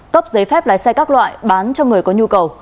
cấp giấy phép lái xe các loại bán cho người có nhu cầu